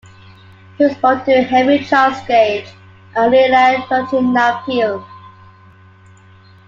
He was born to Henry Charles Gage and Leila Georgina Peel.